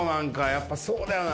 やっぱそうだよな。